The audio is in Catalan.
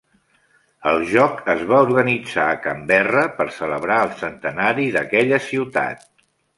El joc es va organitzar a Canberra per celebrar el centenari d"aquella ciutat.